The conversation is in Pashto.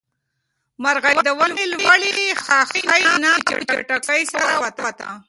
مرغۍ د ونې له لوړې ښاخۍ نه په چټکۍ سره والوته.